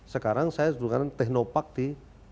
sekarang saya sedangkan teknopark di